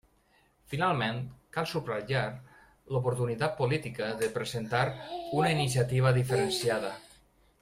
Finalment, cal subratllar l'oportunitat política de presentar una iniciativa diferenciada.